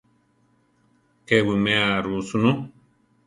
Ke wiméa ru sunú.